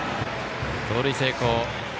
盗塁成功。